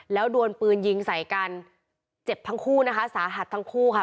แล้วดวนปืนยิงใส่กันเจ็บทั้งคู่นะคะสาหัสทั้งคู่ค่ะ